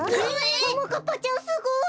ももかっぱちゃんすごい。